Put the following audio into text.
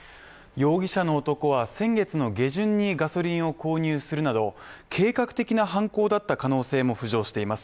容疑者の男は先月の下旬にガソリンを購入するなど計画的な犯行だった可能性も浮上しています。